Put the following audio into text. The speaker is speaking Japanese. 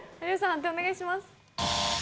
判定お願いします。